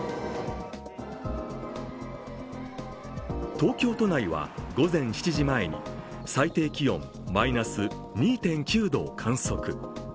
東京都内は午前７時前に最低気温マイナス２．９度を観測。